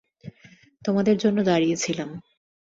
তোমাদের জন্য দাঁড়িয়ে ছিলাম।